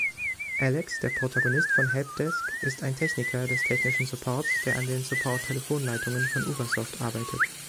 Alex, der Protagonist von „Help Desk“, ist ein Techniker des technischen Supports, der an den Support-Telefonleitungen von Ubersoft arbeitet.